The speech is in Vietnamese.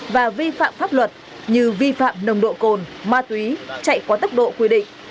và vi phạm pháp luật như vi phạm nồng độ cồn ma túy chạy quá tốc độ quy định